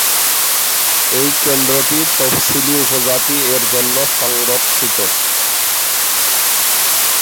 এই কেন্দ্রটি তফসিলী উপজাতি এর জন্য সংরক্ষিত।